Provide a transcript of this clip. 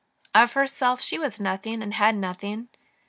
Of herself she was nothing, and had nothing.